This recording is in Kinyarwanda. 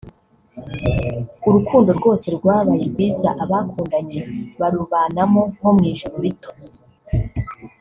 urukundo rwose rwabaye rwiza abakundanye barubanamo nko mu ijuru rito